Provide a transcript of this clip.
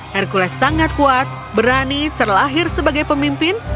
hercules sangat kuat berani terlahir sebagai pemimpin